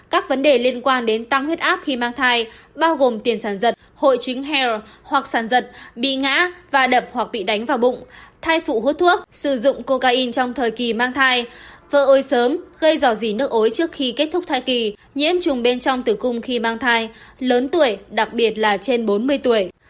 các vấn đề liên quan đến tăng huyết áp khi mang thai bao gồm tiền sản dật hội chính hair hoặc sản dật bị ngã và đập hoặc bị đánh vào bụng thai phụ hốt thuốc sử dụng cocaine trong thời kỳ mang thai vỡ ối sớm gây dò dí nước ối trước khi kết thúc thai kỳ nhiễm trùng bên trong thư cung khi mang thai lớn tuổi đặc biệt là trên bốn mươi tuổi